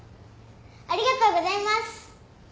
ありがとうございます。